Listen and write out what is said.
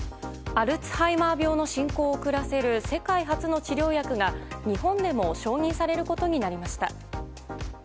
アルツハイマー病の進行を遅らせる世界初の治療薬が日本でも承認されることになりました。